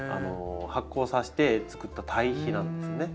発酵させてつくった堆肥なんですね。